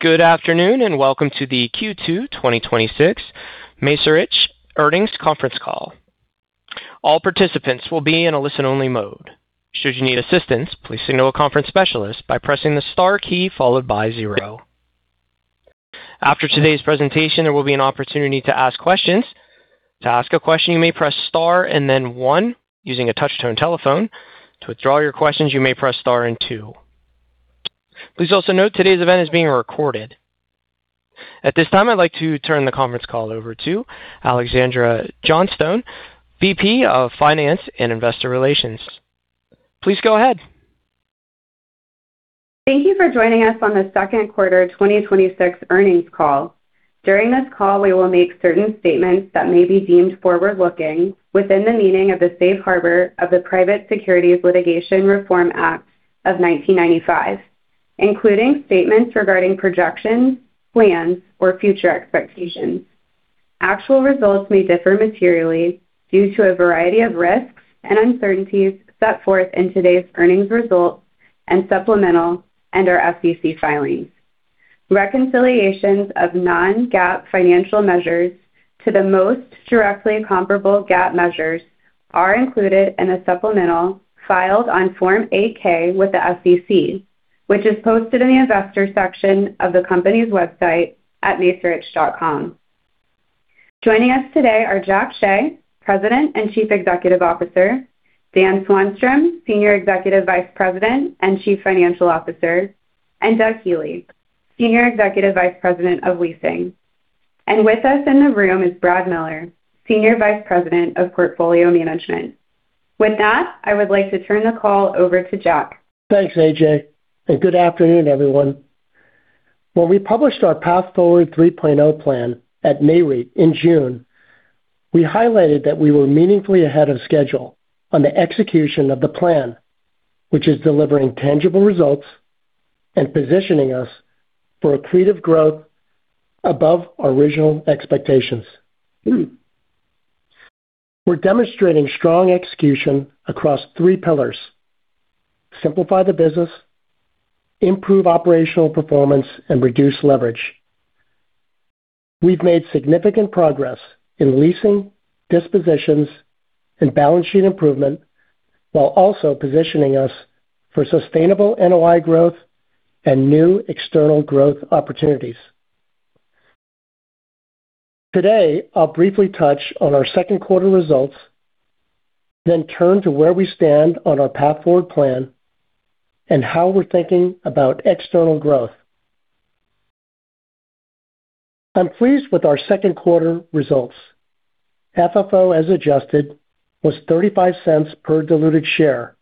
Good afternoon, and welcome to the Q2 2026 Macerich Earnings Conference Call. All participants will be in a listen-only mode. Should you need assistance, please signal a conference specialist by pressing the star key followed by zero. After today's presentation, there will be an opportunity to ask questions. To ask a question, you may press star and then one using a touch-tone telephone. To withdraw your questions, you may press star and two. Please also note, today's event is being recorded. At this time, I'd like to turn the conference call over to Alexandra Johnstone, VP of Finance and Investor Relations. Please go ahead. Thank you for joining us on the second quarter of 2026 earnings call. During this call, we will make certain statements that may be deemed forward-looking within the meaning of the Safe Harbor of the Private Securities Litigation Reform Act of 1995, including statements regarding projections, plans, or future expectations. Actual results may differ materially due to a variety of risks and uncertainties set forth in today's earnings results and supplemental and our SEC filings. Reconciliations of non-GAAP financial measures to the most directly comparable GAAP measures are included in a supplemental filed on Form 8-K with the SEC, which is posted in the investors section of the company's website at macerich.com. Joining us today are Jack Hsieh, President and Chief Executive Officer, Dan Swanstrom, Senior Executive Vice President and Chief Financial Officer, and Doug Healey, Senior Executive Vice President of Leasing. With us in the room is Brad Miller, Senior Vice President of Portfolio Management. With that, I would like to turn the call over to Jack. Thanks, AJ. Good afternoon, everyone. When we published our Path Forward 3.0 plan at Nareit in June, we highlighted that we were meaningfully ahead of schedule on the execution of the plan, which is delivering tangible results and positioning us for accretive growth above our original expectations. We're demonstrating strong execution across three pillars: simplify the business, improve operational performance, and reduce leverage. We've made significant progress in leasing, dispositions, and balance sheet improvement, while also positioning us for sustainable NOI growth and new external growth opportunities. Today, I'll briefly touch on our second quarter results, then turn to where we stand on our Path Forward plan and how we're thinking about external growth. I'm pleased with our second quarter results. FFO, as adjusted, was $0.35 per diluted share,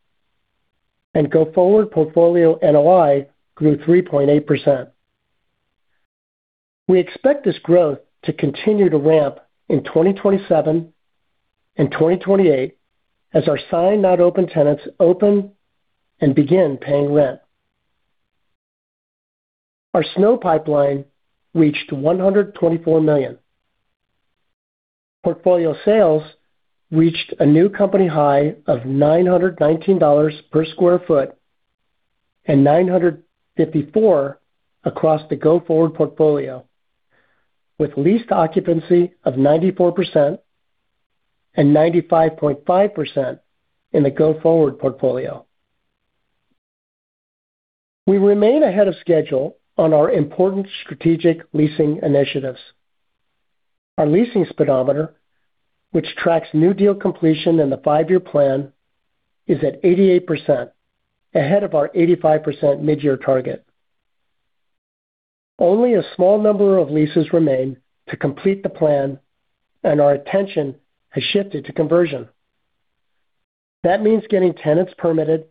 and go-forward portfolio NOI grew 3.8%. We expect this growth to continue to ramp in 2027 and 2028 as our signed-not-open tenants open and begin paying rent. Our SNO pipeline reached $124 million. Portfolio sales reached a new company high of $919 per square foot and $954 across the go-forward portfolio, with leased occupancy of 94% and 95.5% in the go-forward portfolio. We remain ahead of schedule on our important strategic leasing initiatives. Our leasing speedometer, which tracks new deal completion in the five-year plan, is at 88%, ahead of our 85% midyear target. Only a small number of leases remain to complete the plan. Our attention has shifted to conversion. That means getting tenants permitted,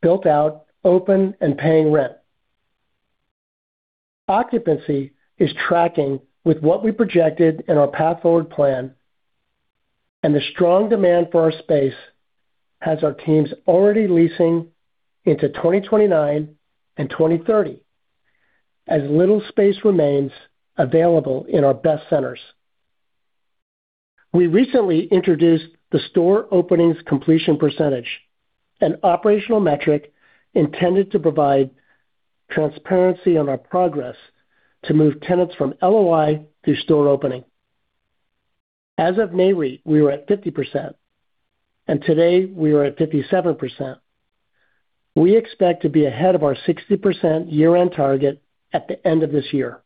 built out, open, and paying rent. Occupancy is tracking with what we projected in our Path Forward plan. The strong demand for our space has our teams already leasing into 2029 and 2030 as little space remains available in our best centers. We recently introduced the store openings completion percentage, an operational metric intended to provide transparency on our progress to move tenants from LOI through store opening. As of Nareit, we were at 50%, and today, we are at 57%. We expect to be ahead of our 60% year-end target at the end of this year.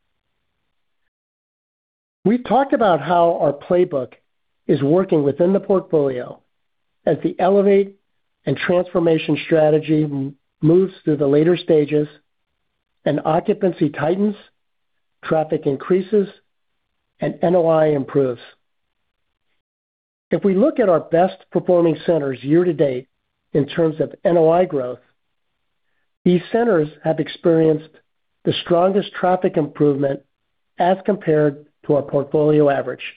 We've talked about how our playbook is working within the portfolio as the elevate and transformation strategy moves through the later stages. Occupancy tightens, traffic increases, and NOI improves. If we look at our best performing centers year-to-date in terms of NOI growth, these centers have experienced the strongest traffic improvement as compared to our portfolio average.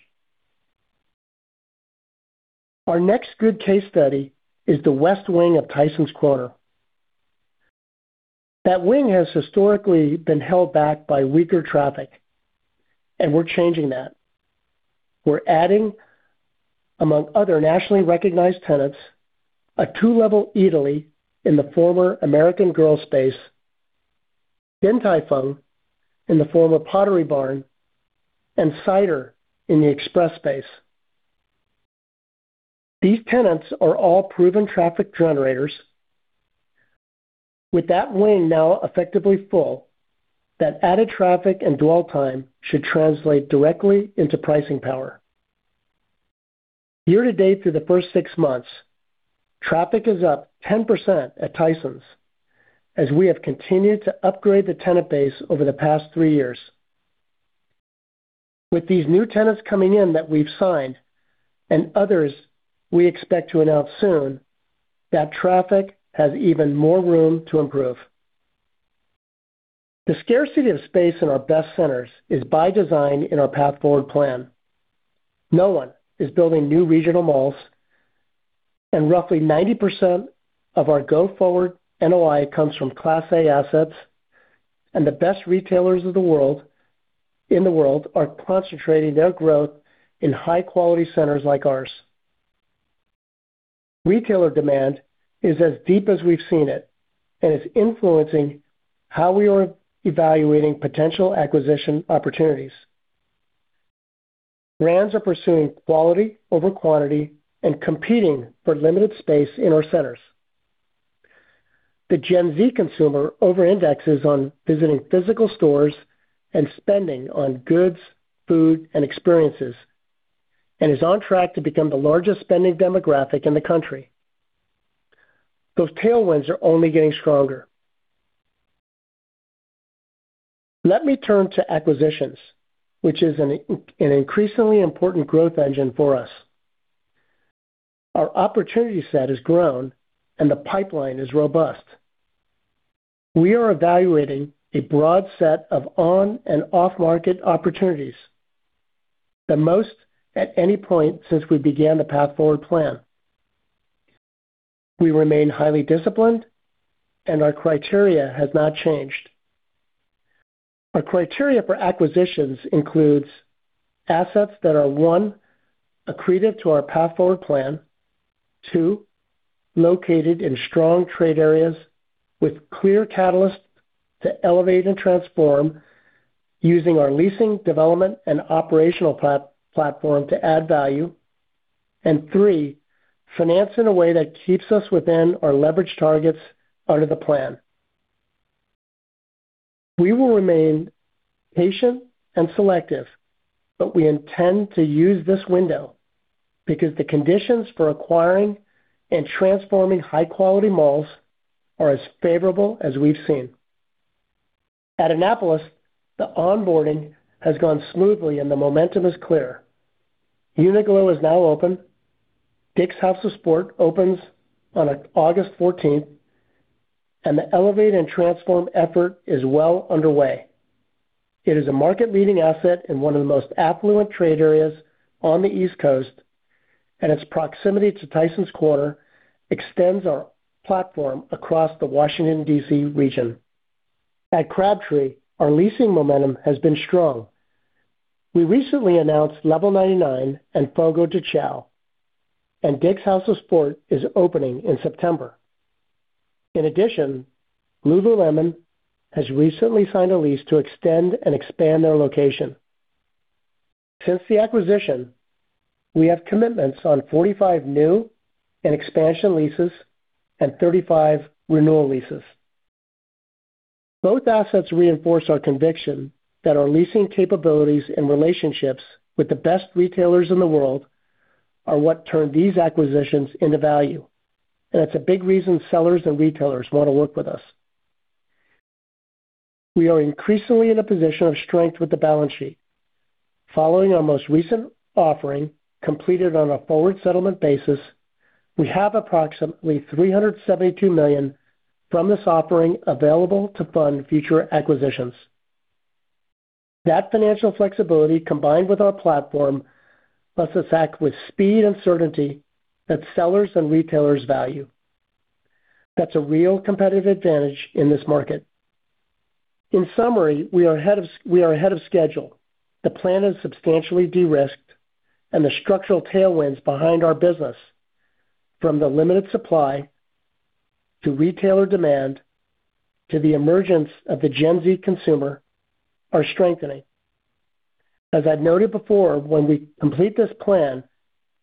Our next good case study is the west wing of Tysons Corner. That wing has historically been held back by weaker traffic. We're changing that. We're adding, among other nationally recognized tenants, a two level Eataly in the former American Girl space, Din Tai Fung in the former Pottery Barn, and Cider in the Express space. These tenants are all proven traffic generators. With that wing now effectively full, that added traffic and dwell time should translate directly into pricing power. Year-to-date through the first six months, traffic is up 10% at Tysons, as we have continued to upgrade the tenant base over the past three years. With these new tenants coming in that we've signed, and others we expect to announce soon, that traffic has even more room to improve. The scarcity of space in our best centers is by design in our Path Forward plan. No one is building new regional malls. Roughly 90% of our go-forward NOI comes from Class A assets. The best retailers in the world are concentrating their growth in high-quality centers like ours. Retailer demand is as deep as we've seen it. It's influencing how we are evaluating potential acquisition opportunities. Brands are pursuing quality over quantity and competing for limited space in our centers. The Gen Z consumer overindexes on visiting physical stores and spending on goods, food, and experiences, and is on track to become the largest spending demographic in the country. Those tailwinds are only getting stronger. Let me turn to acquisitions, which is an increasingly important growth engine for us. Our opportunity set has grown, and the pipeline is robust. We are evaluating a broad set of on and off-market opportunities, the most at any point since we began the Path Forward plan. We remain highly disciplined, and our criteria has not changed. Our criteria for acquisitions includes assets that are, one, accretive to our Path Forward plan, two, located in strong trade areas with clear catalysts to elevate and transform using our leasing development and operational platform to add value, and three, financed in a way that keeps us within our leverage targets under the plan. We will remain patient and selective, but we intend to use this window because the conditions for acquiring and transforming high-quality malls are as favorable as we've seen. At Annapolis, the onboarding has gone smoothly, and the momentum is clear. Uniqlo is now open, Dick's House of Sport opens on August 14th, and the elevate and transform effort is well underway. It is a market-leading asset in one of the most affluent trade areas on the East Coast, and its proximity to Tysons Corner extends our platform across the Washington, D.C. region. At Crabtree, our leasing momentum has been strong. We recently announced Level 99 and Fogo de Chão, and Dick's House of Sport is opening in September. Lululemon has recently signed a lease to extend and expand their location. Since the acquisition, we have commitments on 45 new and expansion leases and 35 renewal leases. Both assets reinforce our conviction that our leasing capabilities and relationships with the best retailers in the world are what turn these acquisitions into value. It's a big reason sellers and retailers want to work with us. We are increasingly in a position of strength with the balance sheet. Following our most recent offering, completed on a forward settlement basis, we have approximately $372 million from this offering available to fund future acquisitions. Financial flexibility, combined with our platform, lets us act with speed and certainty that sellers and retailers value. That's a real competitive advantage in this market. In summary, we are ahead of schedule. The plan is substantially de-risked, and the structural tailwinds behind our business, from the limited supply to retailer demand to the emergence of the Gen Z consumer, are strengthening. As I've noted before, when we complete this plan,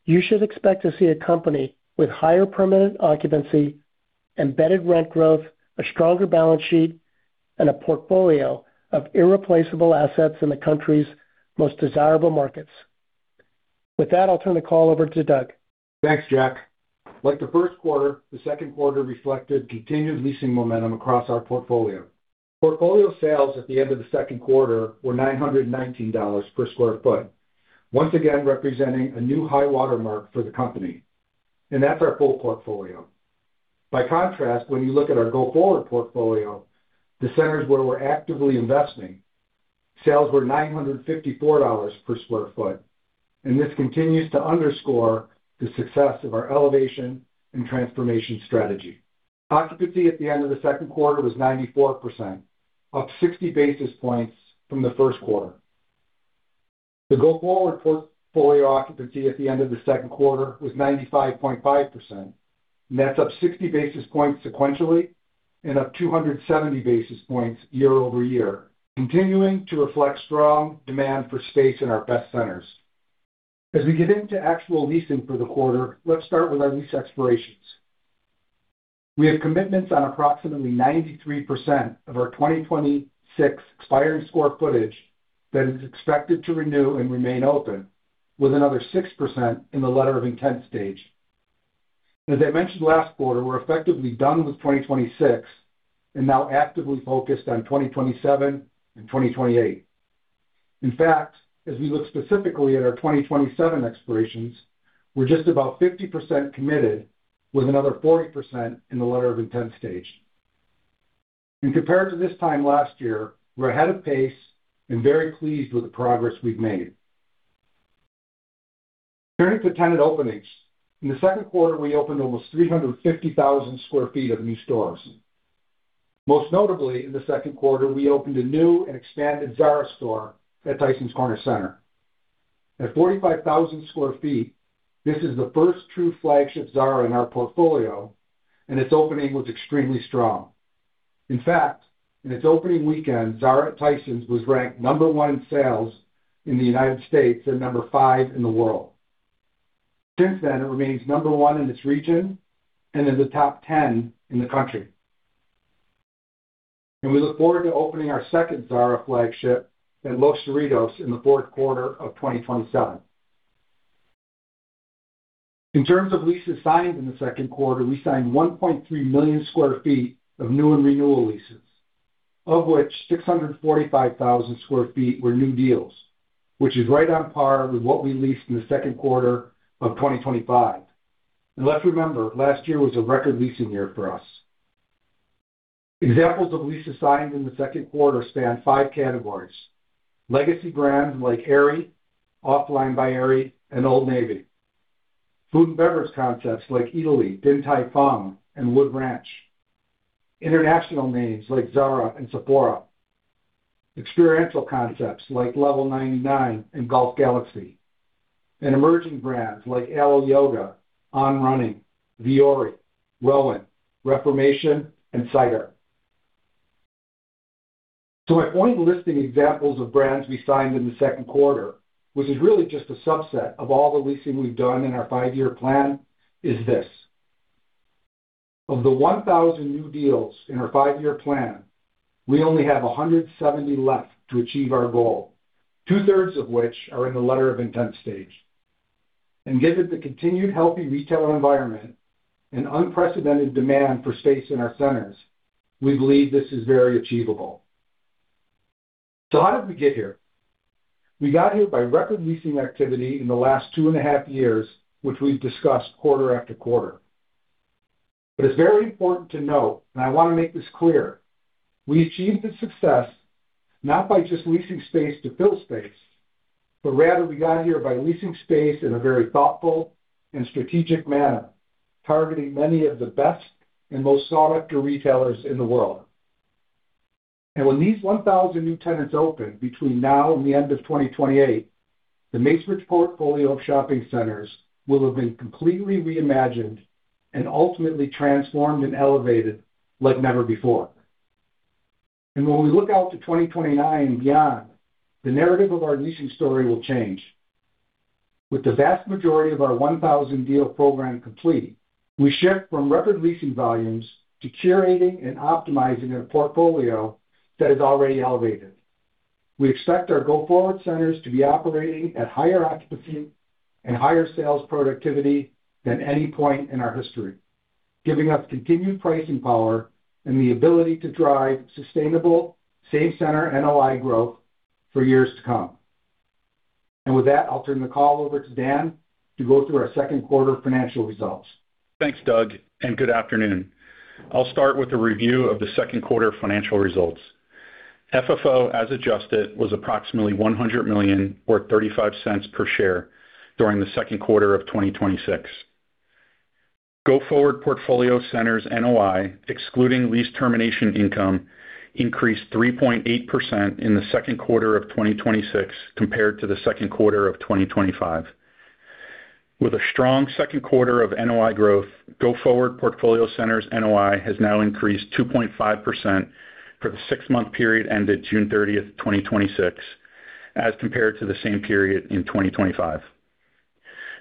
you should expect to see a company with higher permanent occupancy, embedded rent growth, a stronger balance sheet, and a portfolio of irreplaceable assets in the country's most desirable markets. With that, I'll turn the call over to Doug. Thanks, Jack. Like the first quarter, the second quarter reflected continued leasing momentum across our portfolio. Portfolio sales at the end of the second quarter were $919 per square foot, once again representing a new high water mark for the company. That's our full portfolio. By contrast, when you look at our go-forward portfolio, the centers where we're actively investing, sales were $954 per square foot. This continues to underscore the success of our elevation and transformation strategy. Occupancy at the end of the second quarter was 94%, up 60 basis points from the first quarter. The go-forward portfolio occupancy at the end of the second quarter was 95.5%, that's up 60 basis points sequentially and up 270 basis points year-over-year, continuing to reflect strong demand for space in our best centers. As we get into actual leasing for the quarter, let's start with our lease expirations. We have commitments on approximately 93% of our 2026 expiring square footage that is expected to renew and remain open with another 6% in the letter of intent stage. As I mentioned last quarter, we're effectively done with 2026 and now actively focused on 2027 and 2028. In fact, as we look specifically at our 2027 expirations, we're just about 50% committed with another 40% in the letter of intent stage. Compared to this time last year, we're ahead of pace and very pleased with the progress we've made. Turning to tenant openings. In the second quarter, we opened almost 350,000 square feet of new stores. Most notably, in the second quarter, we opened a new and expanded Zara store at Tysons Corner Center. At 45,000 square feet, this is the first true flagship Zara in our portfolio, and its opening was extremely strong. In fact, in its opening weekend, Zara at Tysons was ranked number one in sales in the U.S. and number five in the world. Since then, it remains number one in its region and in the top 10 in the country. We look forward to opening our second Zara flagship at Los Cerritos in the fourth quarter of 2027. In terms of leases signed in the second quarter, we signed 1.3 million square feet of new and renewal leases, of which 645,000 square feet were new deals, which is right on par with what we leased in the second quarter of 2025. Let's remember, last year was a record leasing year for us. Examples of leases signed in the second quarter span five categories. Legacy brands like Aerie, Offline by Aerie, and Old Navy. Food and beverage concepts like Eataly, Din Tai Fung, and Wood Ranch. International names like Zara and Sephora. Experiential concepts like Level99 and Golf Galaxy, and emerging brands like Alo Yoga, On Running, Vuori, Rowan, Reformation, and Cider. My point in listing examples of brands we signed in the second quarter, which is really just a subset of all the leasing we've done in our five-year plan, is this. Of the 1,000 new deals in our five-year plan, we only have 170 left to achieve our goal, 2/3 of which are in the letter of intent stage. Given the continued healthy retail environment and unprecedented demand for space in our centers, we believe this is very achievable. How did we get here? We got here by record leasing activity in the last two and a half years, which we've discussed quarter after quarter. It's very important to note, and I want to make this clear, we achieved this success not by just leasing space to fill space, but rather we got here by leasing space in a very thoughtful and strategic manner, targeting many of the best and most sought-after retailers in the world. When these 1,000 new tenants open between now and the end of 2028, The Macerich portfolio of shopping centers will have been completely reimagined and ultimately transformed and elevated like never before. When we look out to 2029 and beyond, the narrative of our leasing story will change. With the vast majority of our 1,000-deal program complete, we shift from record leasing volumes to curating and optimizing a portfolio that is already elevated. We expect our go-forward centers to be operating at higher occupancy and higher sales productivity than any point in our history, giving us continued pricing power and the ability to drive sustainable same center NOI growth for years to come. With that, I'll turn the call over to Dan to go through our second quarter financial results. Thanks, Doug. Good afternoon. I'll start with a review of the second quarter financial results. FFO, as adjusted, was approximately $100 million, or $0.35 per share during the second quarter of 2026. Go-forward portfolio centers NOI, excluding lease termination income, increased 3.8% in the second quarter of 2026 compared to the second quarter of 2025. With a strong second quarter of NOI growth, go-forward portfolio centers NOI has now increased 2.5% for the six-month period ended June 30th, 2026, as compared to the same period in 2025.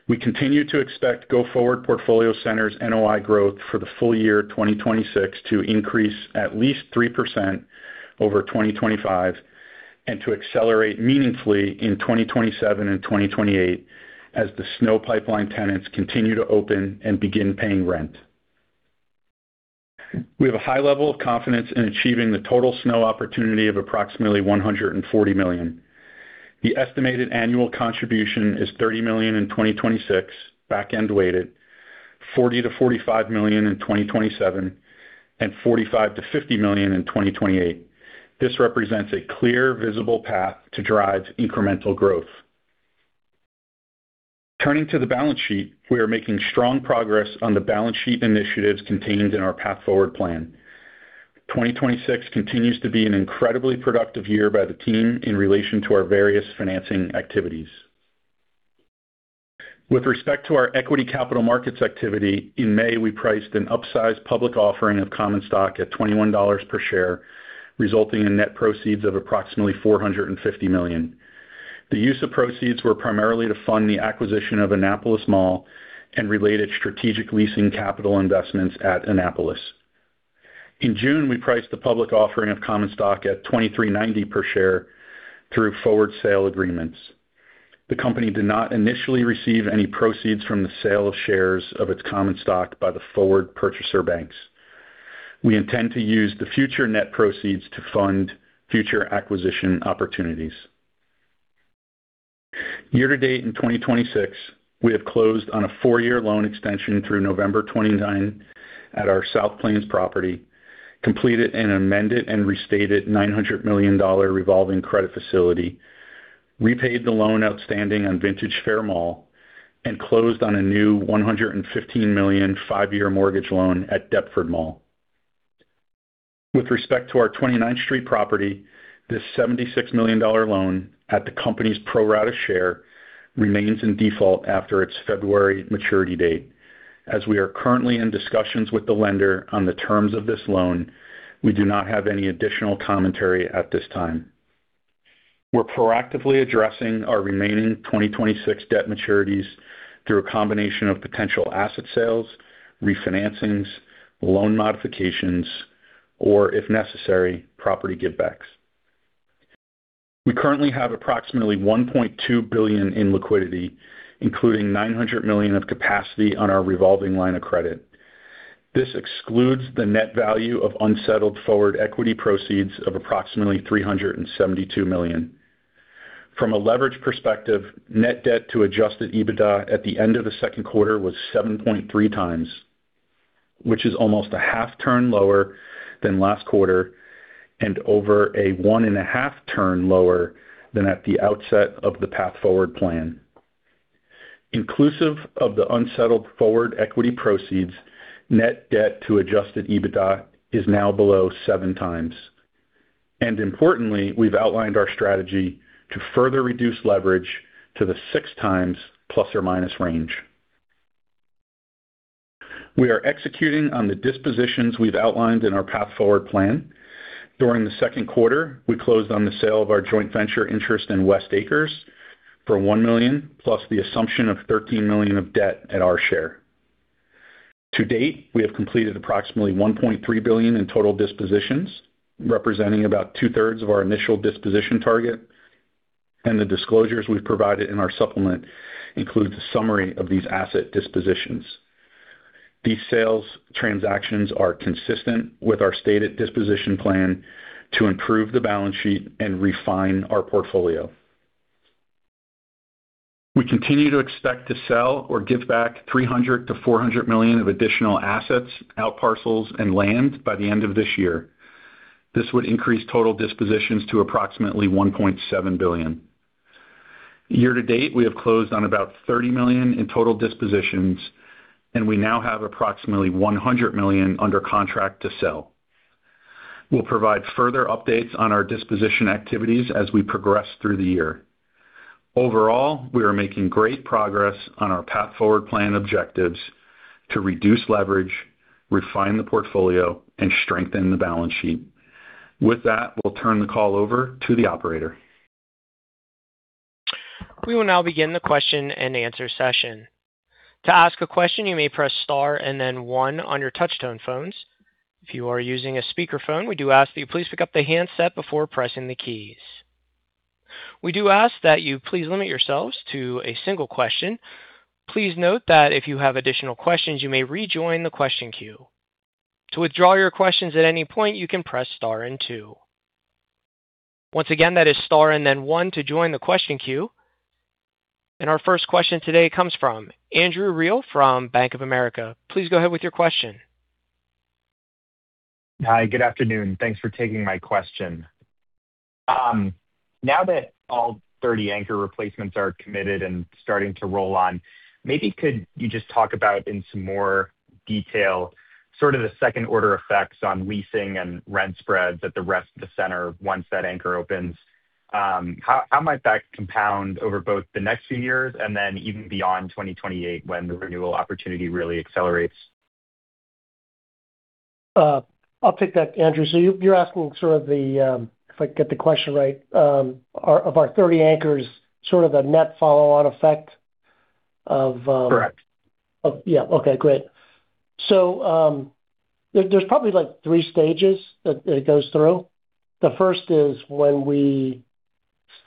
We continue to expect go-forward portfolio centers NOI growth for the full-year 2026 to increase at least 3% over 2025 and to accelerate meaningfully in 2027 and 2028 as the SNO pipeline tenants continue to open and begin paying rent. We have a high level of confidence in achieving the total SNO opportunity of approximately $140 million. The estimated annual contribution is $30 million in 2026, back-end weighted, $40 million-$45 million in 2027, and $45 million-$50 million in 2028. This represents a clear visible path to drive incremental growth. Turning to the balance sheet, we are making strong progress on the balance sheet initiatives contained in our Path Forward plan. 2026 continues to be an incredibly productive year by the team in relation to our various financing activities. With respect to our equity capital markets activity, in May, we priced an upsized public offering of common stock at $21 per share, resulting in net proceeds of approximately $450 million. The use of proceeds were primarily to fund the acquisition of Annapolis Mall and related strategic leasing capital investments at Annapolis. In June, we priced the public offering of common stock at $23.90 per share through forward sale agreements. The company did not initially receive any proceeds from the sale of shares of its common stock by the forward purchaser banks. We intend to use the future net proceeds to fund future acquisition opportunities. Year-to-date in 2026, we have closed on a four-year loan extension through November 29 at our South Plains property, completed an amended and restated $900 million revolving credit facility, repaid the loan outstanding on Vintage Faire Mall, and closed on a new $115 million five-year mortgage loan at Deptford Mall. With respect to our 29th Street property, the $76 million loan at the company's pro rata share remains in default after its February maturity date. As we are currently in discussions with the lender on the terms of this loan, we do not have any additional commentary at this time. We're proactively addressing our remaining 2026 debt maturities through a combination of potential asset sales, refinancings, loan modifications, or if necessary, property give backs. We currently have approximately $1.2 billion in liquidity, including $900 million of capacity on our revolving line of credit. This excludes the net value of unsettled forward equity proceeds of approximately $372 million. From a leverage perspective, net debt to adjusted EBITDA at the end of the second quarter was 7.3x, which is almost a half turn lower than last quarter and over a one and a half turn lower than at the outset of the Path Forward plan. Inclusive of the unsettled forward equity proceeds, net debt to adjusted EBITDA is now below seven times. Importantly, we've outlined our strategy to further reduce leverage to the 6x plus or minus range. We are executing on the dispositions we've outlined in our Path Forward plan. During the second quarter, we closed on the sale of our joint venture interest in West Acres for $1 million, plus the assumption of $13 million of debt at our share. To date, we have completed approximately $1.3 billion in total dispositions, representing about 2/3 of our initial disposition target. The disclosures we've provided in our supplement include the summary of these asset dispositions. These sales transactions are consistent with our stated disposition plan to improve the balance sheet and refine our portfolio. We continue to expect to sell or give back $300 million to $400 million of additional assets, outparcels, and land by the end of this year. This would increase total dispositions to approximately $1.7 billion. Year-to-date, we have closed on about $30 million in total dispositions. We now have approximately $100 million under contract to sell. We'll provide further updates on our disposition activities as we progress through the year. Overall, we are making great progress on our Path Forward plan objectives to reduce leverage, refine the portfolio, and strengthen the balance sheet. With that, we'll turn the call over to the operator. We will now begin the question and answer session. To ask a question, you may press star and then one on your touch tone phones. If you are using a speakerphone, we do ask that you please pick up the handset before pressing the keys. We do ask that you please limit yourselves to a single question. Please note that if you have additional questions, you may rejoin the question queue. To withdraw your questions at any point, you can press star and two. Once again, that is star and then one to join the question queue. Our first question today comes from Andrew Reale from Bank of America. Please go ahead with your question. Hi. Good afternoon. Thanks for taking my question. Now that all 30 anchor replacements are committed and starting to roll on, maybe could you just talk about in some more detail sort of the second order effects on leasing and rent spreads at the rest of the center once that anchor opens. How might that compound over both the next few years and then even beyond 2028 when the renewal opportunity really accelerates? I'll take that, Andrew. You're asking sort of the, if I get the question right, of our 30 anchors, sort of a net follow-on effect. Correct. Yeah. Okay, great. There's probably like three stages that it goes through. The first is when we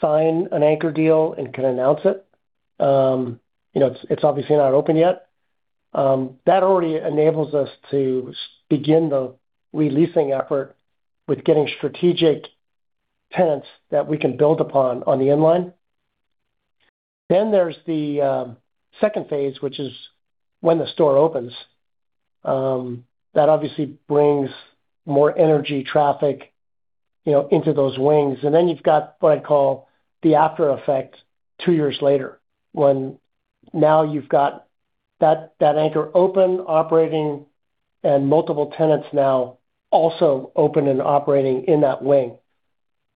sign an anchor deal and can announce it. It's obviously not open yet. That already enables us to begin the re-leasing effort with getting strategic tenants that we can build upon on the inline. There's the second phase, which is when the store opens. That obviously brings more energy. Into those wings. Then you've got what I'd call the after effect two years later, when now you've got that anchor open, operating, and multiple tenants now also open and operating in that wing.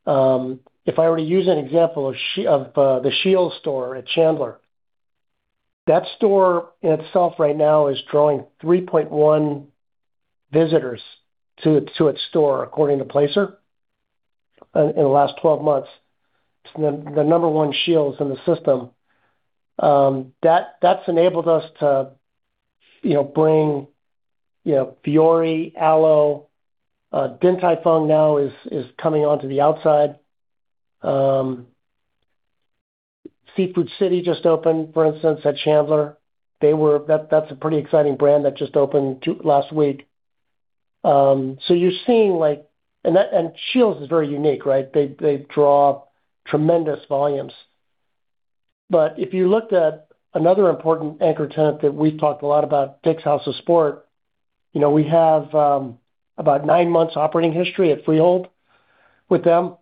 If I were to use an example of the SCHEELS store at Chandler. That store in itself right now is drawing 3.1 visitors to its store, according to Placer.ai, in the last 12 months. It's the number one SCHEELS in the system. That's enabled us to bring Fiori, Alo, Din Tai Fung now is coming onto the outside. Seafood City just opened, for instance, at Chandler. That's a pretty exciting brand that just opened last week. SCHEELS is very unique. They draw tremendous volumes. If you looked at another important anchor tenant that we've talked a lot about, Dick's House of Sport. We have about nine months operating history at freehold with them.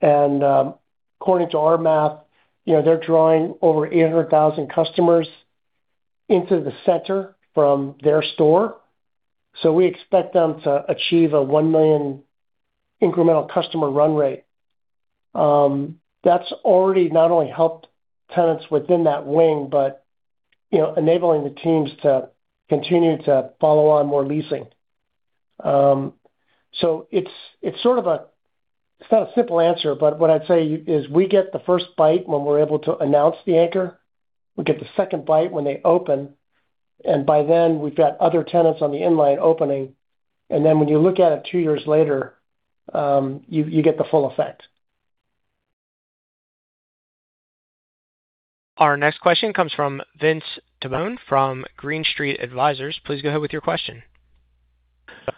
According to our math, they're drawing over 800,000 customers into the center from their store. We expect them to achieve a 1 million incremental customer run rate. That's already not only helped tenants within that wing, but enabling the teams to continue to follow on more leasing. It's not a simple answer, but what I'd say is we get the first bite when we're able to announce the anchor. We get the second bite when they open, and by then we've got other tenants on the inline opening. Then when you look at it two years later, you get the full effect. Our next question comes from Vince Tibone from Green Street Advisors. Please go ahead with your question.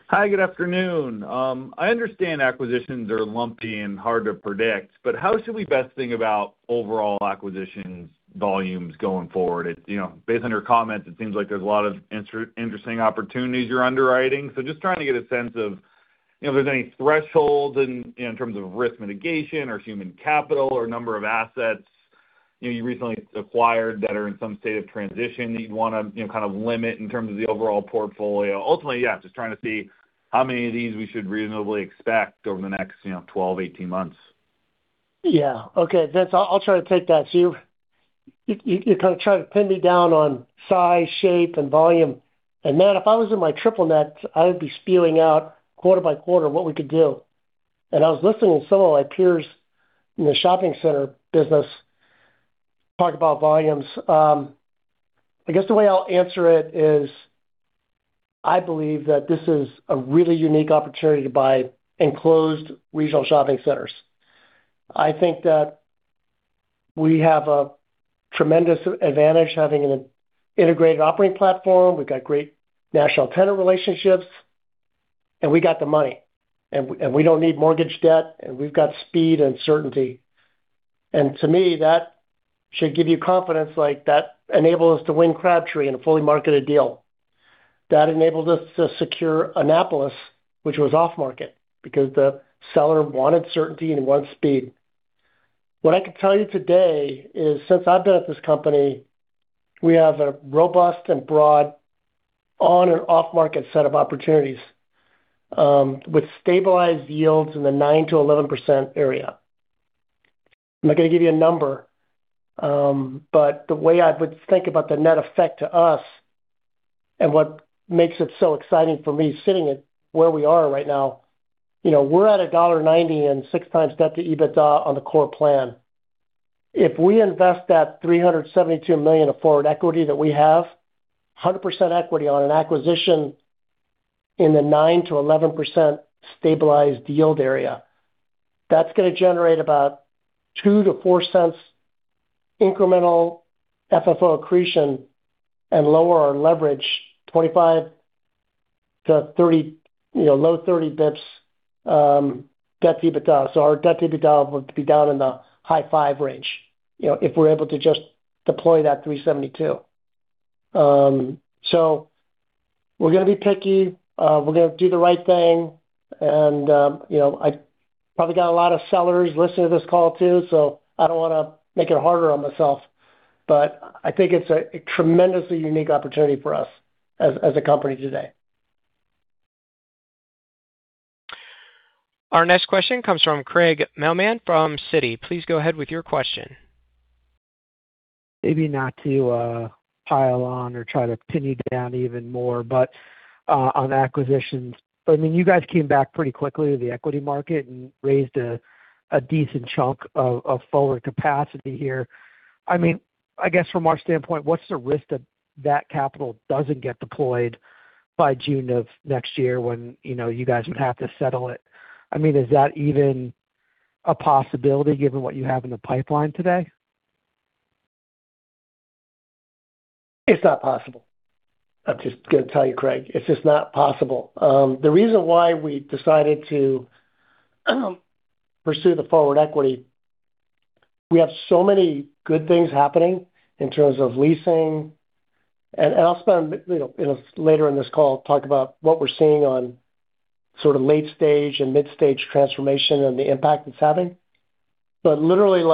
Hi, good afternoon. I understand acquisitions are lumpy and hard to predict, but how should we best think about overall acquisitions volumes going forward? Based on your comments, it seems like there's a lot of interesting opportunities you're underwriting. Just trying to get a sense of if there's any thresholds in terms of risk mitigation or human capital or number of assets you recently acquired that are in some state of transition that you'd want to kind of limit in terms of the overall portfolio. Ultimately, yeah, just trying to see how many of these we should reasonably expect over the next 12-18 months. Yeah. Okay, Vince. I'll try to take that. You kind of try to pin me down on size, shape, and volume. Man, if I was in my triple net, I would be spewing out quarter by quarter what we could do. I was listening to some of my peers in the shopping center business talk about volumes. I guess the way I'll answer it is, I believe that this is a really unique opportunity to buy enclosed regional shopping centers. I think that we have a tremendous advantage having an integrated operating platform. We've got great national tenant relationships, and we got the money, and we don't need mortgage debt, and we've got speed and certainty. To me, that should give you confidence, like, that enabled us to win Crabtree in a fully marketed deal. That enabled us to secure Annapolis, which was off-market because the seller wanted certainty and he wanted speed. What I can tell you today is since I've been at this company, we have a robust and broad on and off-market set of opportunities, with stabilized yields in the 9%-11% area. I'm not going to give you a number. The way I would think about the net effect to us and what makes it so exciting for me sitting at where we are right now, we're at $1.90 and 6x debt to EBITDA on the core plan. If we invest that $372 million of forward equity that we have, 100% equity on an acquisition in the 9%-11% stabilized yield area, that's going to generate about $0.02-$0.04 incremental FFO accretion and lower our leverage 25-30 basis points debt to EBITDA. Our debt to EBITDA would be down in the high five range, if we're able to just deploy that $372. We're going to be picky. We're going to do the right thing. I probably got a lot of sellers listening to this call too, I don't want to make it harder on myself, I think it's a tremendously unique opportunity for us as a company today. Our next question comes from Craig Mailman from Citi. Please go ahead with your question. Maybe not to pile on or try to pin you down even more, on acquisitions. You guys came back pretty quickly to the equity market and raised a decent chunk of forward capacity here. I guess from our standpoint, what's the risk that that capital doesn't get deployed by June of next year when you guys would have to settle it? Is that even a possibility given what you have in the pipeline today? It's not possible. I'm just going to tell you, Craig. It's just not possible. The reason why we decided to pursue the forward equity. We have so many good things happening in terms of leasing. I'll spend a little later in this call, talk about what we're seeing on sort of late stage and mid-stage transformation and the impact it's having. Literally,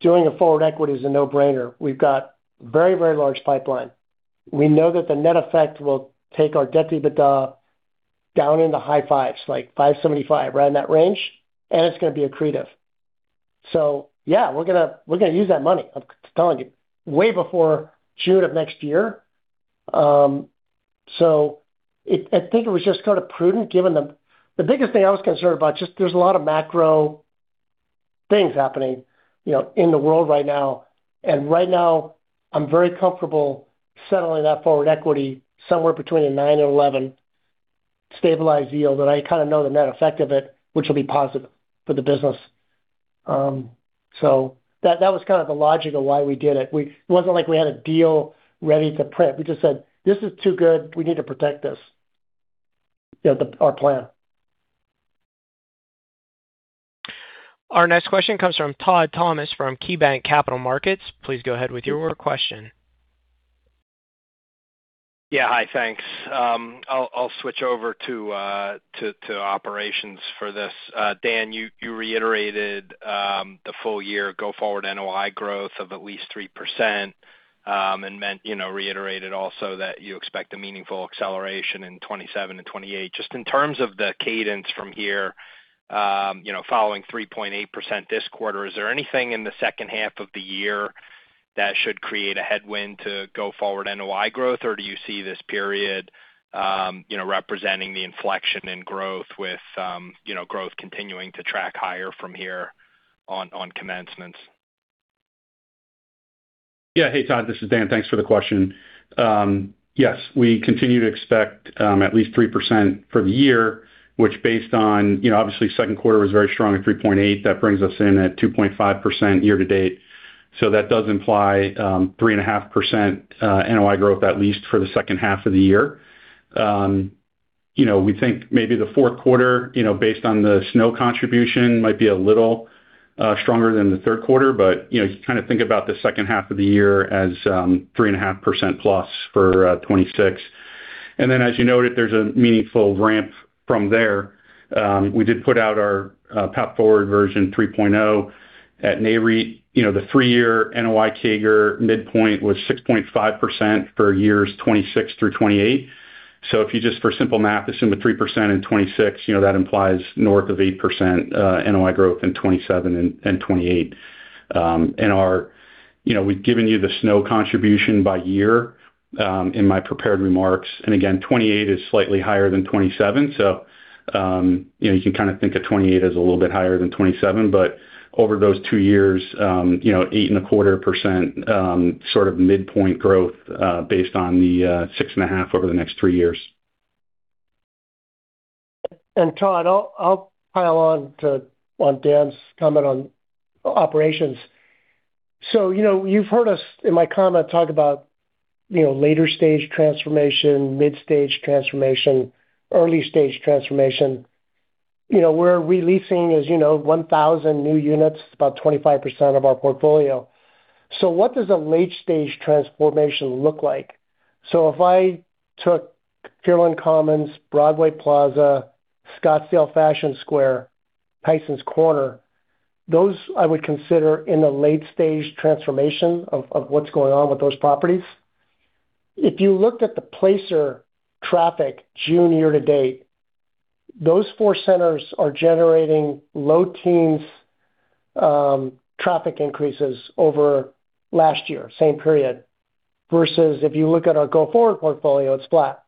doing a forward equity is a no-brainer. We've got very large pipeline. We know that the net effect will take our debt EBITDA down into high fives, like 575, around that range. It's going to be accretive. Yeah, we're going to use that money, I'm telling you, way before June of next year. The biggest thing I was concerned about, just there's a lot of macro things happening in the world right now. Right now I'm very comfortable settling that forward equity somewhere between a nine and 11 stabilized yield. I kind of know the net effect of it, which will be positive for the business. That was kind of the logic of why we did it. It wasn't like we had a deal ready to print. We just said, This is too good. We need to protect this, our plan. Our next question comes from Todd Thomas from KeyBanc Capital Markets. Please go ahead with your question. Hi, thanks. I'll switch over to operations for this. Dan, you reiterated the full-year go forward NOI growth of at least 3% and reiterated also that you expect a meaningful acceleration in 2027 and 2028. Just in terms of the cadence from here following 3.8% this quarter, is there anything in the second half of the year that should create a headwind to go forward NOI growth? Do you see this period representing the inflection in growth with growth continuing to track higher from here on commencements? Hey, Todd, this is Dan. Thanks for the question. Yes, we continue to expect at least 3% for the year, which based on second quarter was very strong at 3.8%. That brings us in at 2.5% year-to-date. That does imply 3.5% NOI growth at least for the second half of the year. We think maybe the fourth quarter based on the SNO contribution might be a little stronger than the third quarter, but you kind of think about the second half of the year as 3.5%+ for 2026. As you noted, there's a meaningful ramp from there. We did put out our Path Forward 3.0 at Nareit. The three year NOI CAGR midpoint was 6.5% for years 2026 through 2028. If you just for simple math assume a 3% in 2026, that implies north of 8% NOI growth in 2027 and 2028. We've given you the SNO contribution by year in my prepared remarks. Again, 2028 is slightly higher than 2027. You can kind of think of 2028 as a little bit higher than 2027. Over those two years, 8.25% sort of midpoint growth based on the 6.5% over the next three years. Todd, I'll pile on to Dan's comment on operations. You've heard us in my comment talk about later stage transformation, mid-stage transformation, early stage transformation. We're re-leasing, as you know, 1,000 new units, about 25% of our portfolio. What does a late-stage transformation look like? If I took Fairfield Commons, Broadway Plaza, Scottsdale Fashion Square, Tysons Corner, those I would consider in the late stage transformation of what's going on with those properties. If you looked at the Placer.ai traffic June year-to-date, those four centers are generating low teens traffic increases over last year, same period, versus if you look at our go forward portfolio, it's flat.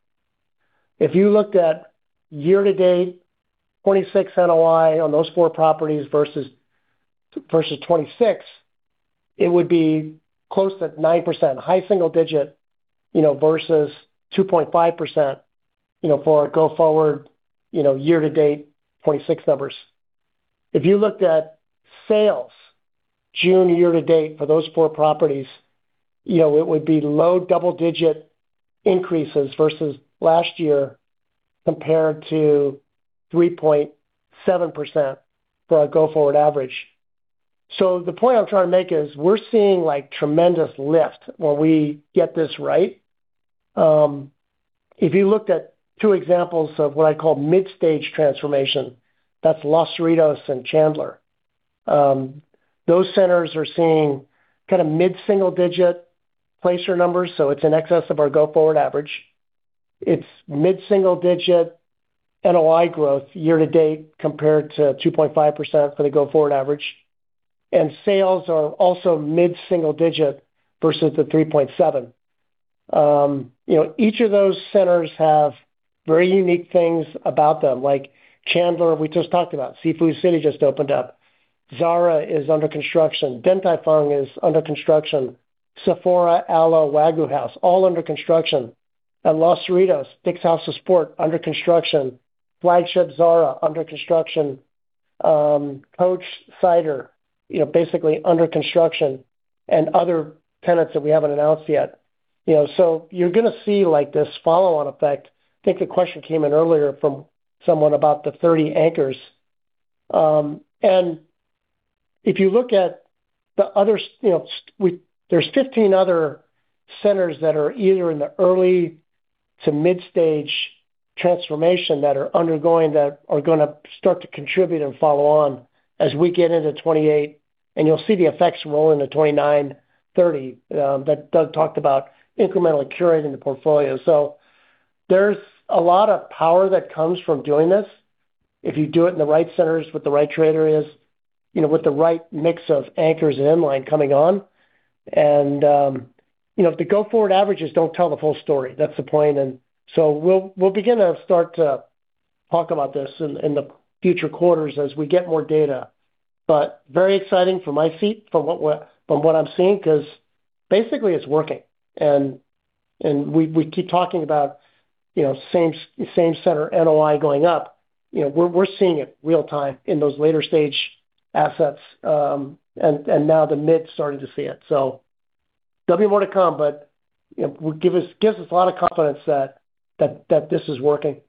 If you looked at year-to-date 2026 NOI on those four properties versus 2026, it would be close to 9%, high single digit versus 2.5% for our go forward year-to-date 2026 numbers. If you looked at sales June year-to-date for those four properties, it would be low double-digit increases versus last year compared to 3.7% for our go-forward average. The point I'm trying to make is we're seeing tremendous lift when we get this right. If you looked at two examples of what I call mid-stage transformation, that's Los Cerritos and Chandler. Those centers are seeing kind of mid-single-digit Placer numbers, so it's in excess of our go-forward average. It's mid-single-digit NOI growth year-to-date, compared to 2.5% for the go-forward average. Sales are also mid-single-digit versus the 3.7%. Each of those centers have very unique things about them. Like Chandler, we just talked about. Seafood City just opened up. Zara is under construction. Din Tai Fung is under construction. Sephora, Alo, Wagyu House, all under construction. At Los Cerritos, Dick's House of Sport under construction. Flagship Zara under construction. Coach, Cider basically under construction, and other tenants that we haven't announced yet. You're going to see this follow-on effect. I think a question came in earlier from someone about the 30 anchors. If you look at the others, there's 15 other centers that are either in the early to mid-stage transformation that are undergoing, that are going to start to contribute and follow on as we get into 2028. You'll see the effects roll into 2029, 2030. Doug talked about incrementally curating the portfolio. There's a lot of power that comes from doing this. If you do it in the right centers with the right traders, with the right mix of anchors and inline coming on. The go-forward averages don't tell the full story. That's the point. We'll begin to start to talk about this in the future quarters as we get more data. But very exciting from my seat, from what I'm seeing, because basically it's working. We keep talking about same-center NOI going up. We're seeing it real-time in those later stage assets. Now the mids starting to see it. There'll be more to come, but it gives us a lot of confidence that this is working.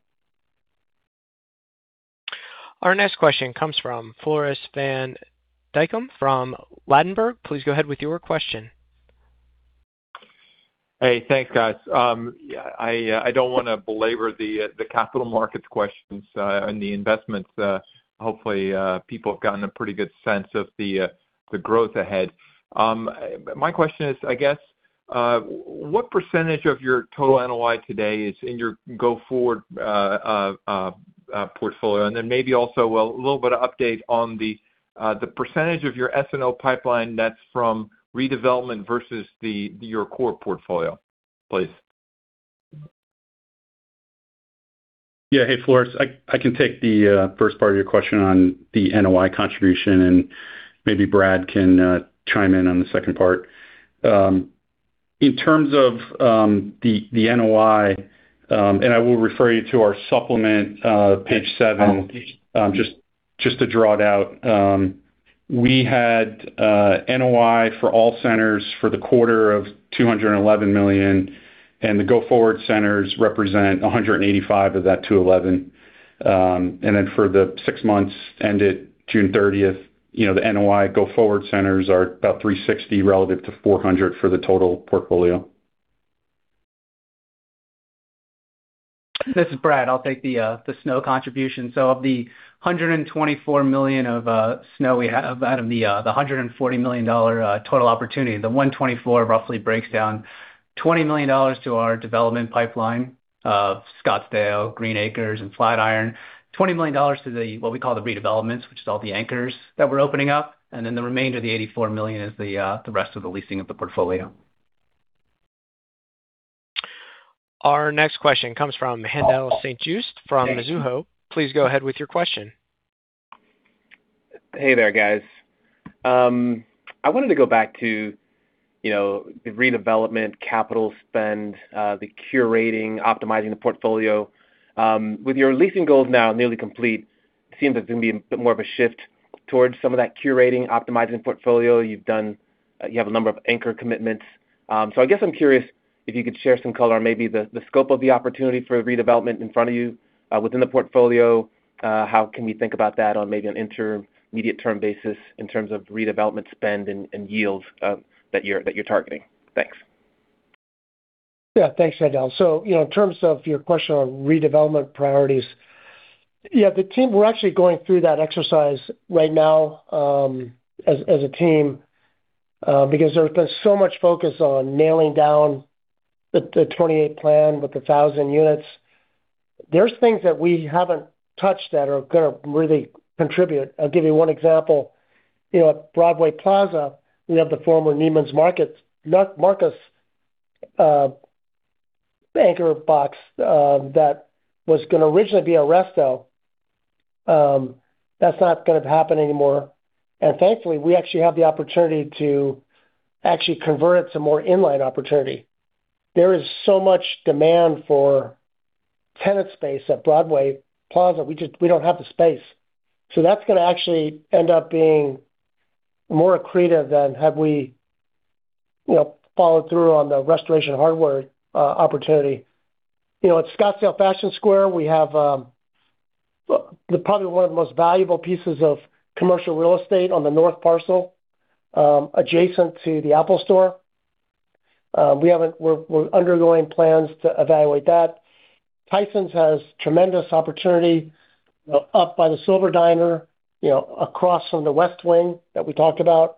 Our next question comes from Floris van Dijkum from Ladenburg. Please go ahead with your question. Hey, thanks, guys. I don't want to belabor the capital markets questions and the investments. Hopefully, people have gotten a pretty good sense of the growth ahead. My question is, I guess, what percentage of your total NOI today is in your go-forward portfolio? Then maybe also a little bit of update on the percentage of your SNO pipeline that's from redevelopment versus your core portfolio, please. Yeah. Hey, Floris. I can take the first part of your question on the NOI contribution, and maybe Brad can chime in on the second part. In terms of the NOI, I will refer you to our supplement, page seven, just to draw it out. We had NOI for all centers for the quarter of $211 million, and the go-forward centers represent $185 of that $211. For the six months ended June 30th, the NOI go-forward centers are about $360 relative to $400 for the total portfolio. This is Brad. I'll take the SNO contribution. Of the $124 million of SNO we have out of the $140 million total opportunity, the $124 roughly breaks down $20 million to our development pipeline of Scottsdale, Green Acres, and Flatiron. $20 million to what we call the redevelopments, which is all the anchors that we're opening up. The remainder, the $84 million, is the rest of the leasing of the portfolio. Our next question comes from Haendel St. Juste from Mizuho. Please go ahead with your question. Hey there, guys. I wanted to go back to the redevelopment capital spend, the curating, optimizing the portfolio. With your leasing goals now nearly complete, it seems there's going to be a bit more of a shift towards some of that curating, optimizing portfolio. You have a number of anchor commitments. I guess I'm curious if you could share some color on maybe the scope of the opportunity for a redevelopment in front of you within the portfolio. How can we think about that on maybe an intermediate-term basis in terms of redevelopment spend and yields that you're targeting? Thanks. Yeah, thanks, Haendel. In terms of your question on redevelopment priorities, yeah, we're actually going through that exercise right now as a team because there's been so much focus on nailing down the 2028 plan with 1,000 units. There's things that we haven't touched that are going to really contribute. I'll give you one example. At Broadway Plaza, we have the former Neiman Marcus anchor box that was going to originally be a Resto. That's not going to happen anymore. Thankfully, we actually have the opportunity to actually convert it to more inline opportunity. There is so much demand for tenant space at Broadway Plaza. We don't have the space. That's going to actually end up being more accretive than had we followed through on the Restoration Hardware opportunity. At Scottsdale Fashion Square, we have probably one of the most valuable pieces of commercial real estate on the north parcel adjacent to the Apple store. We're undergoing plans to evaluate that. Tysons has tremendous opportunity up by the Silver Diner, across from the west wing that we talked about.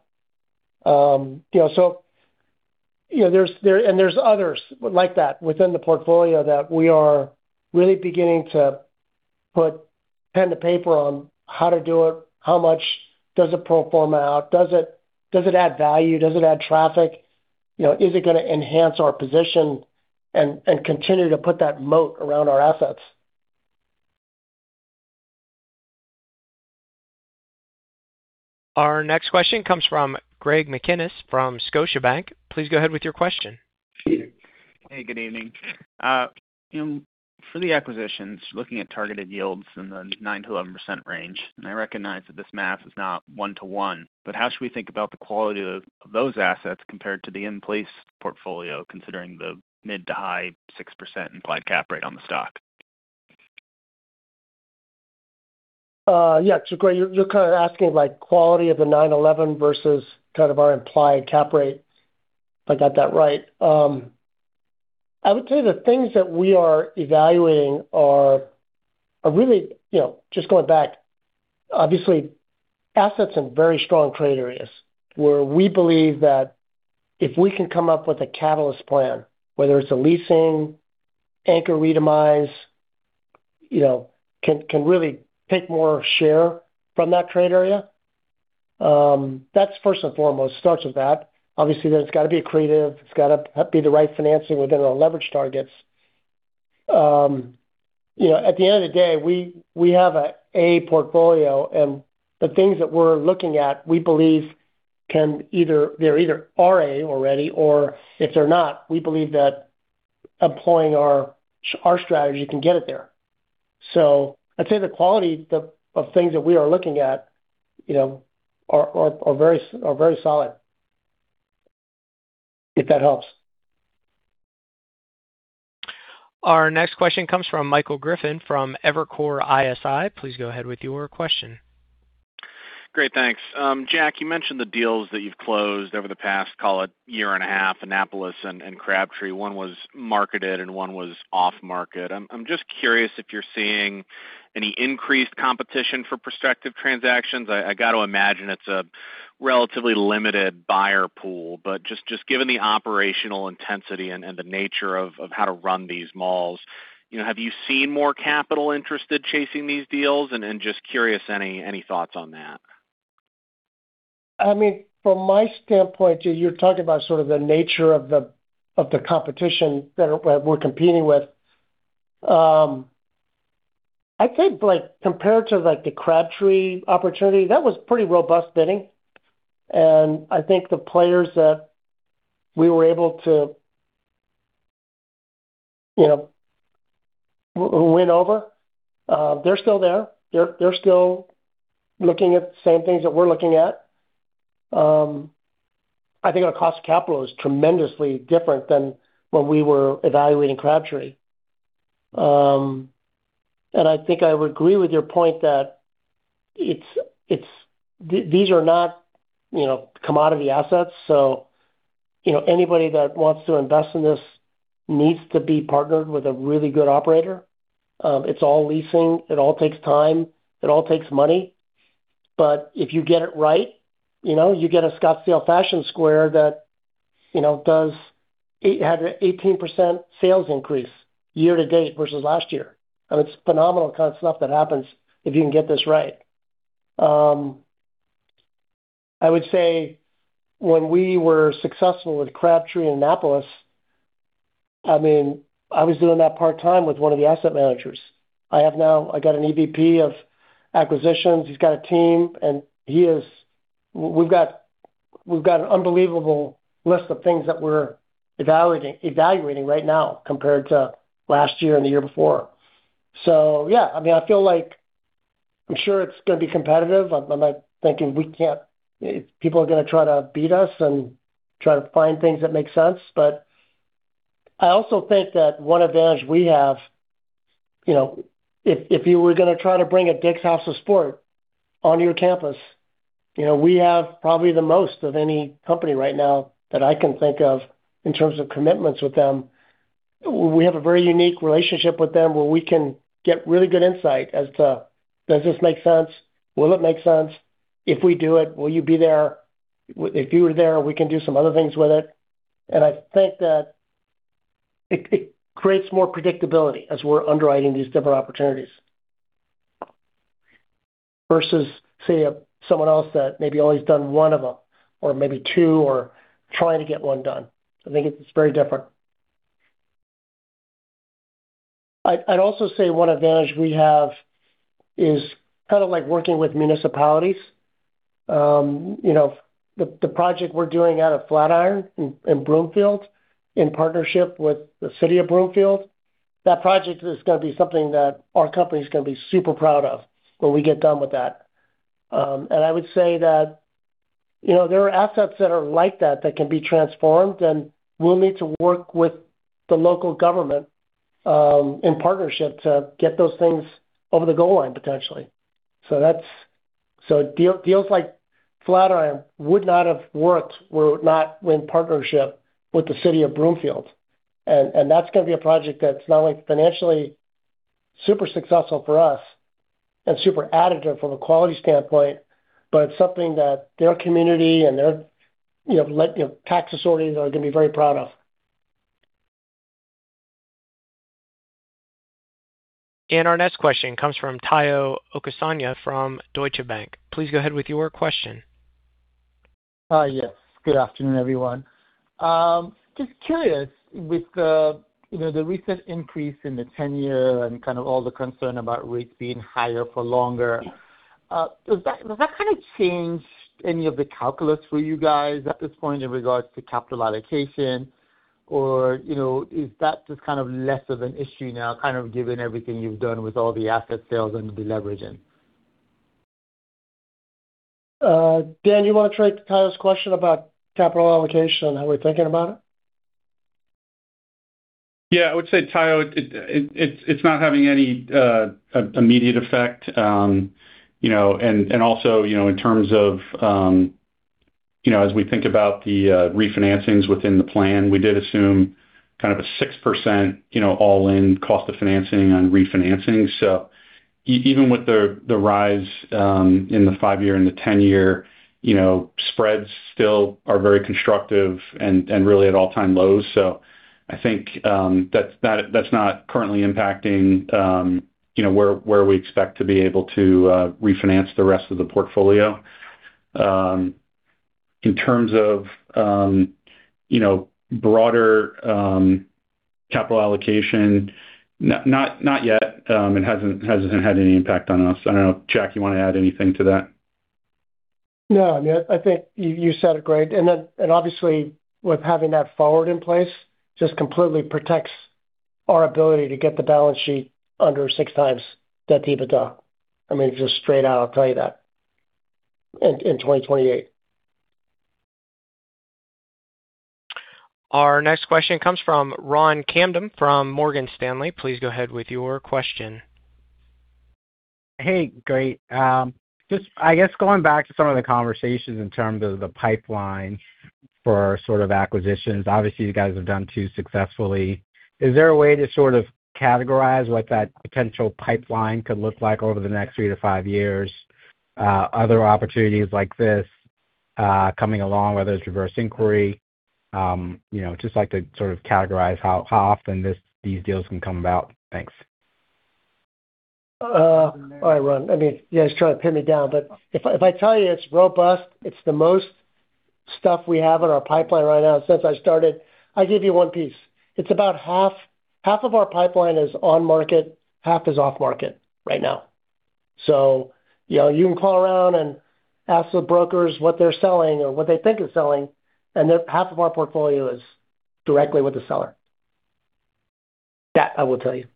There's others like that within the portfolio that we are really beginning to put pen to paper on how to do it, how much does it perform out? Does it add value? Does it add traffic? Is it going to enhance our position and continue to put that moat around our assets? Our next question comes from Greg McGinniss from Scotiabank. Please go ahead with your question. Hey, good evening. For the acquisitions, looking at targeted yields in the 9%-11% range. I recognize that this math is not 1:1, how should we think about the quality of those assets compared to the in-place portfolio, considering the mid-to-high 6% implied cap rate on the stock? Yeah. Greg, you're kind of asking quality of the 9.11 versus kind of our implied cap rate, if I got that right. I would say the things that we are evaluating are really, just going back, obviously assets in very strong trade areas, where we believe that if we can come up with a catalyst plan, whether it's a leasing, anchor re-demise, can really take more share from that trade area. That's first and foremost, starts with that. Obviously, there's got to be accretive, it's got to be the right financing within our leverage targets. At the end of the day, we have a portfolio and the things that we're looking at, we believe they're either RA already, or if they're not, we believe that employing our strategy can get it there. I'd say the quality of things that we are looking at are very solid. If that helps. Our next question comes from Michael Griffin from Evercore ISI. Please go ahead with your question. Great, thanks. Jack, you mentioned the deals that you've closed over the past, call it year and a half, Annapolis and Crabtree. One was marketed and one was off market. I'm just curious if you're seeing any increased competition for prospective transactions. I got to imagine it's a relatively limited buyer pool, but just given the operational intensity and the nature of how to run these malls, have you seen more capital interested chasing these deals? Just curious, any thoughts on that? From my standpoint, you're talking about sort of the nature of the competition that we're competing with. I think compared to the Crabtree opportunity, that was pretty robust bidding, and I think the players that we were able to win over, they're still there. They're still looking at the same things that we're looking at. I think our cost of capital is tremendously different than when we were evaluating Crabtree. I think I would agree with your point that these are not commodity assets. Anybody that wants to invest in this needs to be partnered with a really good operator. It's all leasing. It all takes time. It all takes money. If you get it right, you get a Scottsdale Fashion Square that had an 18% sales increase year-to-date versus last year. It's phenomenal kind of stuff that happens if you can get this right. I would say when we were successful with Crabtree and Annapolis, I was doing that part-time with one of the asset managers. I got an EVP of acquisitions. He's got a team, and we've got an unbelievable list of things that we're evaluating right now compared to last year and the year before. Yeah, I feel like I'm sure it's going to be competitive. I'm not thinking people are going to try to beat us and try to find things that make sense. But I also think that one advantage we have, if you were going to try to bring a Dick's House of Sport onto your campus, we have probably the most of any company right now that I can think of in terms of commitments with them. We have a very unique relationship with them where we can get really good insight as to, does this make sense? Will it make sense? If we do it, will you be there? If you are there, we can do some other things with it. I think that it creates more predictability as we're underwriting these different opportunities versus, say, someone else that maybe only has done one of them or maybe two, or trying to get one done. I think it's very different. I'd also say one advantage we have is kind of like working with municipalities. The project we're doing out of Flatiron in Broomfield in partnership with the City of Broomfield, that project is going to be something that our company's going to be super proud of when we get done with that. I would say that there are assets that are like that that can be transformed, and we'll need to work with the local government in partnership to get those things over the goal line, potentially. Deals like Flatiron would not have worked were it not in partnership with the City of Broomfield. That's going to be a project that's not only financially super successful for us and super additive from a quality standpoint, but it's something that their community and their tax authorities are going to be very proud of. Our next question comes from Omotayo Okusanya from Deutsche Bank. Please go ahead with your question. Yes. Good afternoon, everyone. Just curious, with the recent increase in the 10 year and kind of all the concern about rates being higher for longer, Does that kind of change any of the calculus for you guys at this point in regards to capital allocation? Or is that just kind of less of an issue now, kind of given everything you've done with all the asset sales and the leveraging? Dan, you want to take Tayo's question about capital allocation and how we're thinking about it? Yeah. I would say, Tayo, it's not having any immediate effect. In terms of as we think about the refinancings within the plan, we did assume kind of a 6% all-in cost of financing on refinancing. Even with the rise in the five year and the 10 year, spreads still are very constructive and really at all-time lows. I think that's not currently impacting where we expect to be able to refinance the rest of the portfolio. In terms of broader capital allocation, not yet. It hasn't had any impact on us. I don't know, Jack, you want to add anything to that? No, I mean, I think you said it great. Obviously, with having that forward in place just completely protects our ability to get the balance sheet under six times debt to EBITDA. I mean, just straight out, I'll tell you that. In 2028. Our next question comes from Ron Kamdem from Morgan Stanley. Please go ahead with your question. Hey, great. Just, I guess, going back to some of the conversations in terms of the pipeline for sort of acquisitions. Obviously, you guys have done two successfully. Is there a way to sort of categorize what that potential pipeline could look like over the next three to five years? Other opportunities like this coming along, whether it's reverse inquiry, just like to sort of categorize how often these deals can come about. Thanks. All right, Ron. I mean, yeah, he's trying to pin me down, if I tell you it's robust, it's the most stuff we have in our pipeline right now since I started. I'll give you one piece. Half of our pipeline is on market, half is off market right now. You can call around and ask the brokers what they're selling or what they think is selling, and half of our portfolio is directly with the seller. That I will tell you.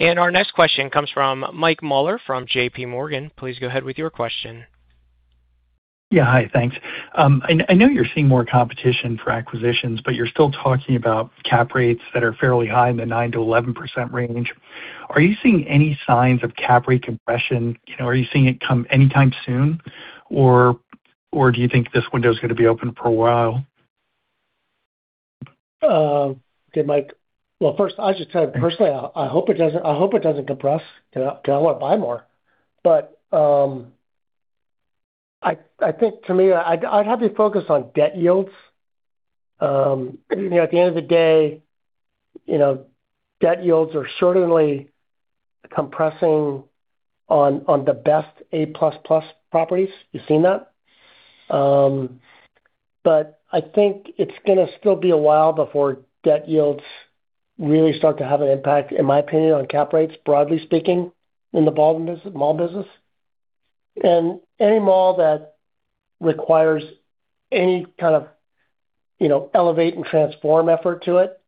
Our next question comes from Mike Mueller from JPMorgan. Please go ahead with your question. Yeah, hi. Thanks. I know you're seeing more competition for acquisitions, you're still talking about cap rates that are fairly high in the 9%-11% range. Are you seeing any signs of cap rate compression? Are you seeing it come anytime soon? Do you think this window's going to be open for a while? Okay, Mike. Well, first, I'll just tell you, personally, I hope it doesn't compress, because I want to buy more. I think to me, I'd have you focus on debt yields. At the end of the day, debt yields are certainly compressing on the best A++ properties. You've seen that. I think it's going to still be a while before debt yields really start to have an impact, in my opinion, on cap rates, broadly speaking, in the mall business. Any mall that requires any kind of elevate and transform effort to it,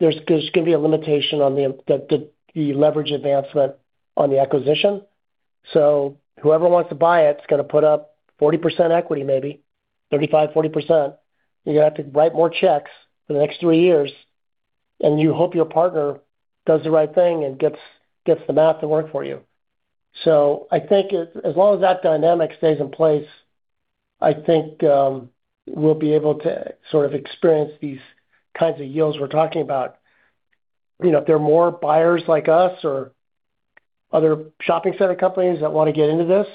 there's going to be a limitation on the leverage advancement on the acquisition. Whoever wants to buy it is going to put up 40% equity maybe, 35%, 40%. You're going to have to write more checks for the next three years, and you hope your partner does the right thing and gets the math to work for you. I think as long as that dynamic stays in place, I think we'll be able to sort of experience these kinds of yields we're talking about. If there are more buyers like us or other shopping center companies that want to get into this,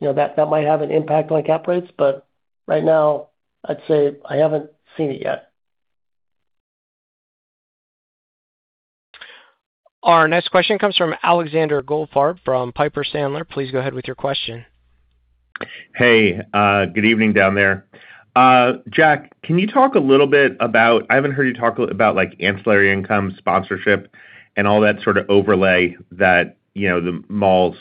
that might have an impact on cap rates. Right now, I'd say I haven't seen it yet. Our next question comes from Alexander Goldfarb from Piper Sandler. Please go ahead with your question. Hey, good evening down there. Jack, can you talk a little bit about, I haven't heard you talk about ancillary income, sponsorship, and all that sort of overlay that the malls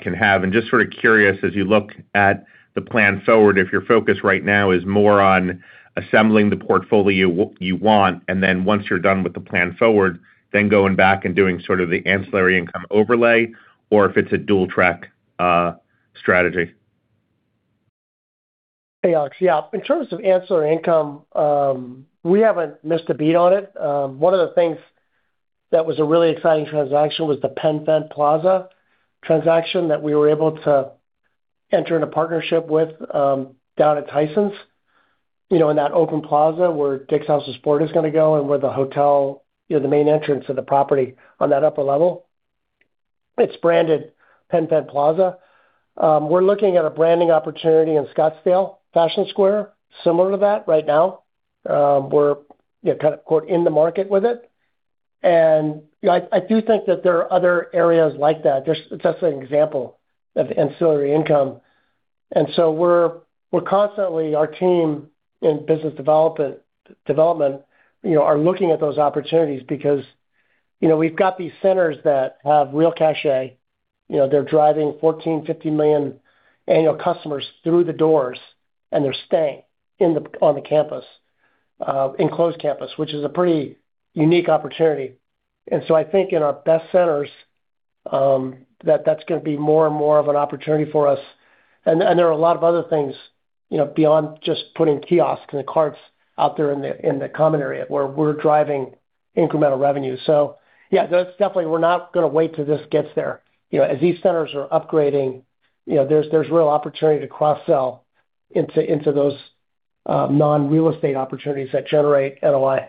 can have. Just sort of curious as you look at the Path Forward, if your focus right now is more on assembling the portfolio you want, and then once you're done with the Path Forward, then going back and doing sort of the ancillary income overlay, or if it's a dual track strategy. Hey, Alex. Yeah. In terms of ancillary income, we haven't missed a beat on it. One of the things that was a really exciting transaction was the PenFed Plaza transaction that we were able to enter in a partnership with down at Tysons. In that open plaza where Dick's House of Sport is going to go and where the hotel, the main entrance of the property on that upper level. It's branded PenFed Plaza. We're looking at a branding opportunity in Scottsdale Fashion Square similar to that right now. We're kind of quote, "in the market with it." I do think that there are other areas like that. That's an example of ancillary income. We're constantly, our team in business development are looking at those opportunities because we've got these centers that have real cachet. They're driving $14 million, $15 million annual customers through the doors, and they're staying on the campus, enclosed campus, which is a pretty unique opportunity. I think in our best centers, that's going to be more and more of an opportunity for us. There are a lot of other things, beyond just putting kiosks and the carts out there in the common area where we're driving incremental revenue. Yeah, that's definitely, we're not going to wait till this gets there. As these centers are upgrading, there's real opportunity to cross-sell into those non-real estate opportunities that generate NOI.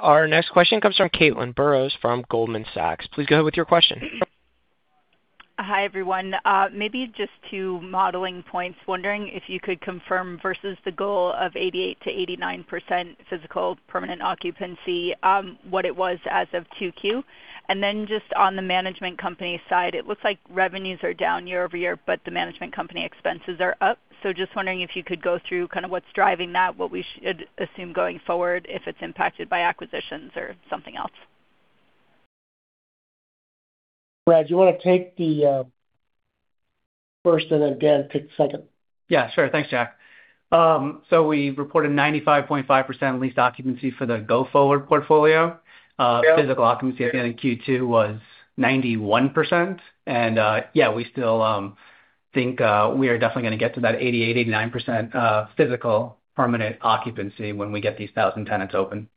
Our next question comes from Caitlin Burrows from Goldman Sachs. Please go ahead with your question. Hi, everyone. Maybe just two modeling points. Wondering if you could confirm, versus the goal of 88%-89% physical permanent occupancy, what it was as of Q2. Just on the management company side, it looks like revenues are down year-over-year, but the management company expenses are up. Just wondering if you could go through kind of what's driving that, what we should assume going forward, if it's impacted by acquisitions or something else. Brad, do you want to take the first, and then Dan, take the second? Yeah, sure. Thanks, Jack. We reported 95.5% lease occupancy for the go-forward portfolio. Yep. Physical occupancy at the end of Q2 was 91%. Yeah, we still think we are definitely going to get to that 88%, 89%, physical permanent occupancy when we get these 1,000 tenants open.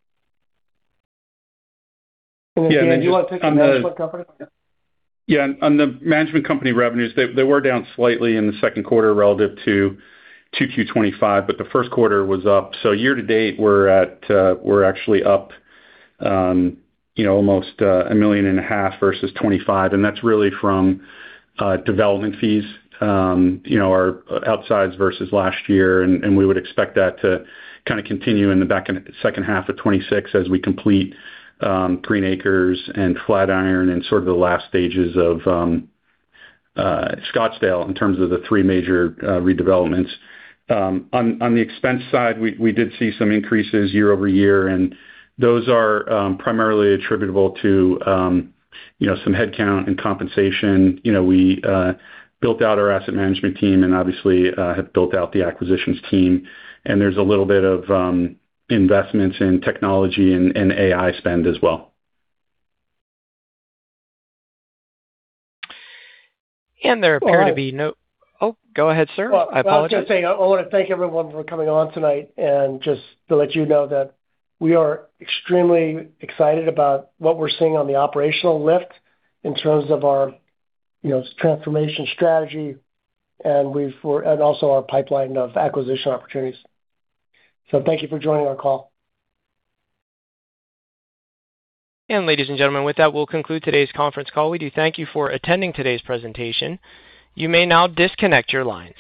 Dan, do you want to take on the management company? Yeah. On the management company revenues, they were down slightly in the second quarter relative to Q2 2025. The first quarter was up. Year-to-date, we are actually up almost $1.5 million versus 2025, and that is really from development fees are outside versus last year, and we would expect that to kind of continue in the back second half of 2026 as we complete Green Acres and Flatiron and sort of the last stages of Scottsdale in terms of the three major redevelopments. On the expense side, we did see some increases year-over-year, and those are primarily attributable to some headcount and compensation. We built out our asset management team and obviously have built out the acquisitions team. There is a little bit of investments in technology and AI spend as well. There appear to be no. Oh, go ahead, sir. I apologize. Well, I was just saying, I want to thank everyone for coming on tonight and just to let you know that we are extremely excited about what we are seeing on the operational lift in terms of our transformation strategy and also our pipeline of acquisition opportunities. Thank you for joining our call. Ladies and gentlemen, with that, we'll conclude today's conference call. We do thank you for attending today's presentation. You may now disconnect your lines.